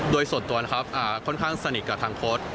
โดยส่วนตัวนะครับค่อนข้างสนิทกับทางโค้ด